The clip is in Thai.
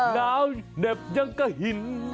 หนาวเหน็บยังกระหิน